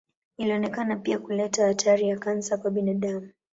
Ilionekana pia kuleta hatari ya kansa kwa binadamu.